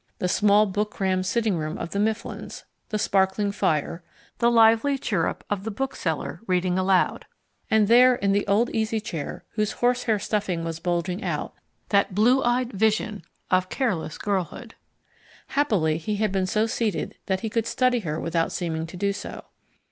The small book crammed sitting room of the Mifflins, the sparkling fire, the lively chirrup of the bookseller reading aloud and there, in the old easy chair whose horsehair stuffing was bulging out, that blue eyed vision of careless girlhood! Happily he had been so seated that he could study her without seeming to do so.